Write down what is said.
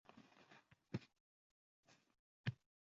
Shu quvonchdan qaytmas boʼlib